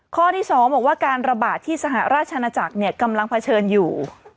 ข้อที่๒บอกว่าการระบาดที่สหราชนาจักรกำลังเผชิญอยู่